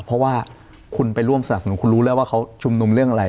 เพราะว่าคุณไปร่วมสนับสนุนคุณรู้แล้วว่าเขาชุมนุมเรื่องอะไร